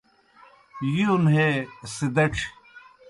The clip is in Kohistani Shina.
یُون ہے سِدَچھیْ